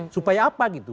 supaya apa gitu